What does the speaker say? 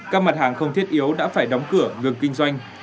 các mặt hàng không thiết yếu đã phải đóng cửa ngừng kinh doanh